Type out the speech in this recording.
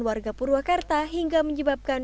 warga purwakarta hingga menyebabkan